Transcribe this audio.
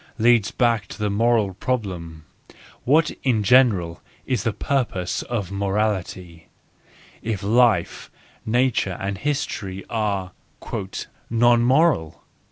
leads back to the moral problem : What in general is the purpose of morality , if life, nature, and history are " non moral